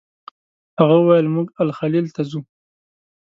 هغه وویل موږ الخلیل ته ځو.